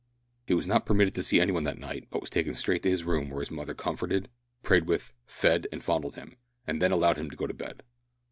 He was not permitted to see any one that night, but was taken straight to his room, where his mother comforted, prayed with, fed and fondled him, and then allowed him to go to bed.